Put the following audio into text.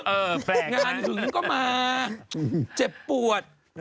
เออแปลกนะงานหืนก็มาเจ็บปวด